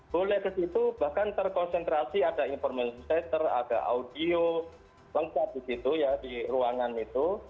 di situ bahkan terkonsentrasi ada information center ada audio lengkap di ruangan itu